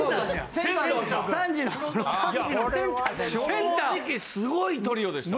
正直すごいトリオでした。